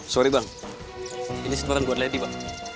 sorry bang ini semaran buat lady bang